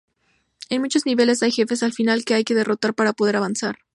En muchos niveles hay jefes al final que hay que derrotar para poder avanzar.